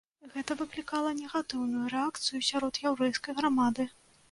Гэта выклікала негатыўную рэакцыю сярод яўрэйскай грамады.